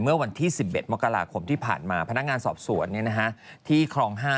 เมื่อวันที่๑๑มกราคมที่ผ่านมาพนักงานสอบสวนที่ครอง๕